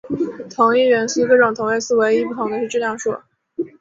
同一元素各种同位素唯一不同的是质量数。